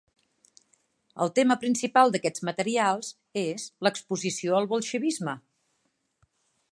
El tema principal d’aquests materials és l’exposició al bolxevisme.